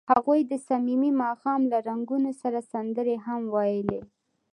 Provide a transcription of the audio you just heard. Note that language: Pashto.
هغوی د صمیمي ماښام له رنګونو سره سندرې هم ویلې.